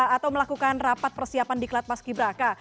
atau melakukan rapat persiapan di klat paski braka